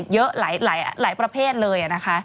เยอะหลายประเภทเลยนะคะ